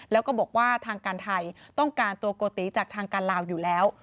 แล้วก็บอกว่าทางการไทยต้องการตัวโกติจากทางการลาวอยู่แล้ว